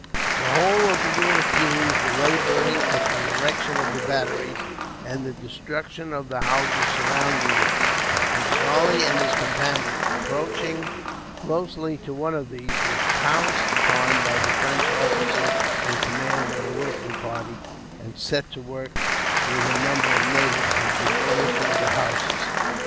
The whole of the Europeans were labouring at the erection of the batteries, and the destruction of the houses surrounding them; and Charlie and his companion, approaching closely to one of these, were pounced upon by the French officer in command of a working party, and set to work, with a number of natives, in demolishing the houses.